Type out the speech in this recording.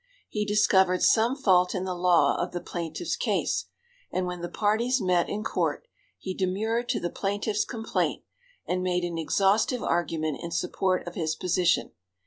He discovered some fault in the law of the plaintiff's case, and when the parties met in court, he demurred to the plaintiff's complaint, and made an exhaustive argument in support of his position.